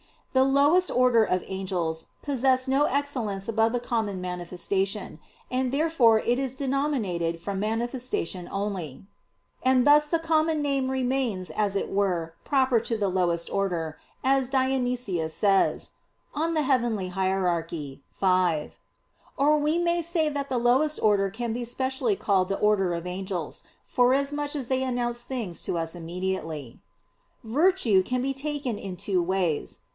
The lowest order of angels possess no excellence above the common manifestation; and therefore it is denominated from manifestation only; and thus the common name remains as it were proper to the lowest order, as Dionysius says (Coel. Hier. v). Or we may say that the lowest order can be specially called the order of "angels," forasmuch as they announce things to us immediately. "Virtue" can be taken in two ways.